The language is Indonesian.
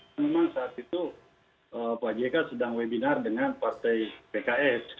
karena memang saat itu pak jk sedang webinar dengan partai pks